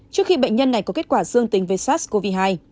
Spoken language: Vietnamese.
trước khi bệnh nhân này có kết quả dương tính với sars cov hai